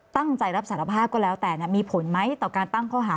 ตั้งใจรับสารภาพก็แล้วแต่มีผลไหมต่อการตั้งข้อหา